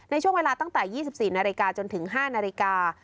ในช่วงเวลาตั้งแต่๒๔นาฬิกาจนถึง๕นาฬิกา